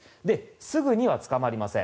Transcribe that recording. すぐには捕まりません。